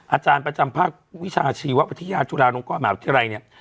อาจารณ์ประจำภาควิชาชีวะปฐิญาณจุฬานุนกอธิรัยเนี้ย